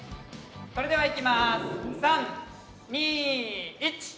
それではいきます。